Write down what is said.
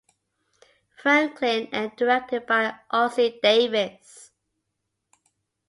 Franklin and directed by Ossie Davis.